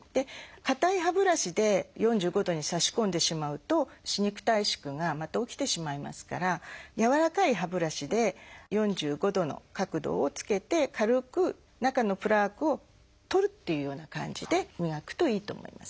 かたい歯ブラシで４５度に差し込んでしまうと歯肉退縮がまた起きてしまいますからやわらかい歯ブラシで４５度の角度をつけて軽く中のプラークを取るっていうような感じで磨くといいと思います。